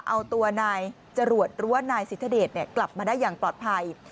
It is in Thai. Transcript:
เอาตัวนายจรวดหรือว่านายสิทธเดชกลับมาได้อย่างปลอดภัย